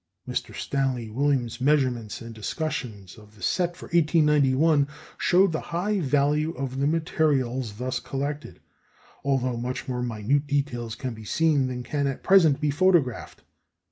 Mr. Stanley Williams's measurements and discussion of the set for 1891 showed the high value of the materials thus collected, although much more minute details can be seen than can at present be photographed.